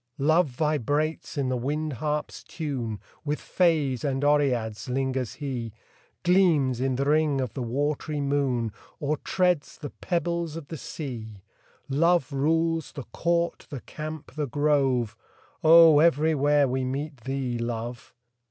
Love vibrates in the wind harp s tune With fays and oreads lingers he Gleams in th ring of the watery moon, Or treads the pebbles of the sea. Love rules " the court, the camp, the grove " Oh, everywhere we meet thee, Love